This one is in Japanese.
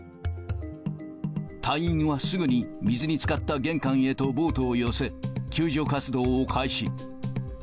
隊員はすぐに水につかった玄関へとボートを寄せ、救助活動を開始。